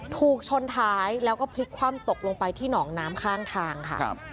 ถูกชนท้ายแล้วก็พลิกคว่ำตกลงไปที่หนองน้ำข้างทางค่ะ